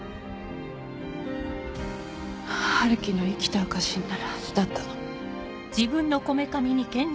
晴希の生きた証になるはずだったの。